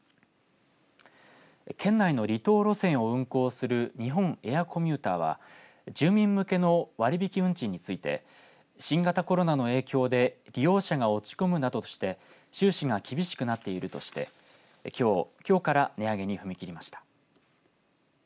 県内の離島路線を運行する日本エアコミューターは住民向けの割引運賃について新型コロナの影響で利用者が落ち込むなどして収支が厳しくなっているとしてきょうから値上げに踏み切りました。